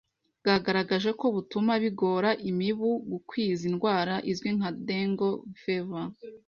bwagaragaje ko butuma bigora imibu gukwiza indwara izwi nka 'dengue fever'.